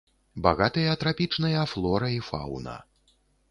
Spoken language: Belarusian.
Багатыя трапічныя флора і фаўна.